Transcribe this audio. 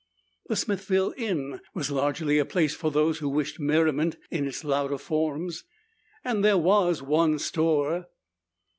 The Smithville Inn was largely a place for those who wished merriment in its louder forms, and there was one store.